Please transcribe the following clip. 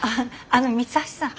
あの三橋さん。